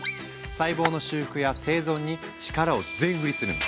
細胞の修復や生存に力を全振りするの。